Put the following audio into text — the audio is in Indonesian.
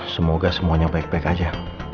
semoga semuanya baik baik aja